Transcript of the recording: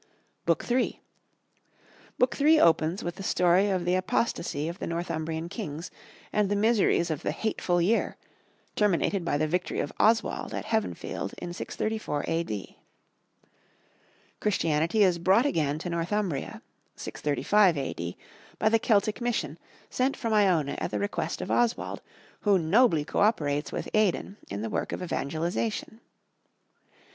BOOK III.—Book III opens with the story of the apostasy of the Northumbrian kings and the miseries of the "Hateful Year," terminated by the victory of Oswald at Heavenfield in 634 A.D. Christianity is brought again to Northumbria (635 A.D.) by the Celtic Mission, sent from Iona at the request of Oswald, who nobly co operates with Aidan in the work of evangelization.